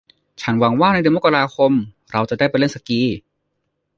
ฉันหวังว่าในเดือนมกราคมเราจะได้ไปเล่นสกี